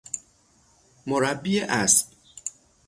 مربی اسب